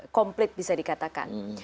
komplit bisa dikatakan